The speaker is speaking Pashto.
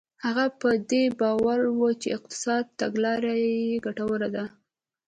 هغه په دې باور و چې اقتصادي تګلاره یې ګټوره ده.